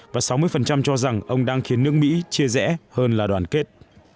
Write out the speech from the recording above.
và sáu mươi cho rằng ông đang khiến nước mỹ chia rẽ hơn là đoàn kết